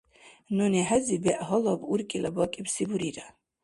Нуни хӀези бегӀ гьалаб уркӀила бакӀибси бурира.